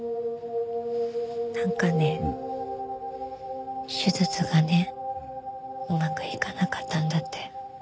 なんかね手術がねうまくいかなかったんだって。